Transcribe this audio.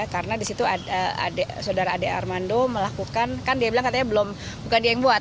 karena di situ saudara ade armando melakukan kan dia bilang katanya belum bukan dia yang buat